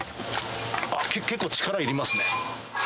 結構、力いりますね。